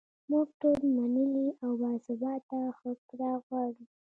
موږ ټول منلې او باثباته هوکړه غواړو.